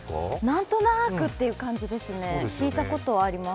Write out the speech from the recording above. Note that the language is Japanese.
なんなーくという感じですね、聞いたことはあります。